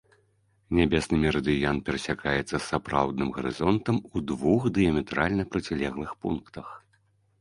Нябесны мерыдыян перасякаецца з сапраўдным гарызонтам у двух дыяметральна процілеглых пунктах.